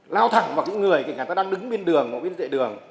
lao thẳng vào những người kể cả người ta đang đứng bên đường bên dạy đường